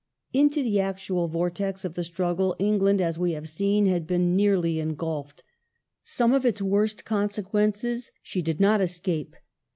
Into the actual vortex of the struggle England, as we have seen. The had been nearly engulfed ; some of its worst consequences she did cotton not escape.